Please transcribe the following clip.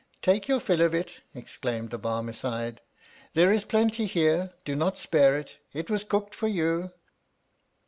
Take your fill of it, exclaimed the Barmecide, there is plenty here, do not spare it, it was cooked for you.